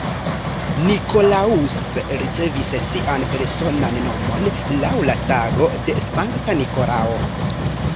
Nikolaus ricevis sian personan nomon laŭ la tago de Sankta Nikolao.